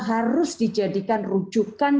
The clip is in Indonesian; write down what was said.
harus dijadikan rujukan